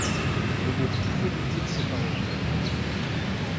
On ne pouvait douter de ses paroles